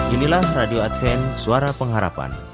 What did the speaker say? inilah radio adven suara pengharapan